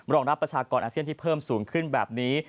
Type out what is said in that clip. รองรับประชากรอาเซียนที่เพิ่มสูงขึ้นแบบนี้